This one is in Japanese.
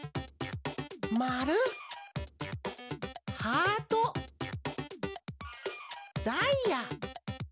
まるハートダイヤ。